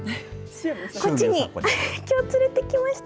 こっちに、きょう連れてきました。